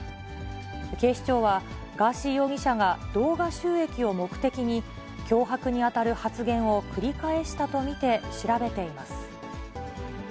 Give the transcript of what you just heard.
警視庁は、ガーシー容疑者が、動画収益を目的に、脅迫に当たる発言を繰り返したと見て調べています。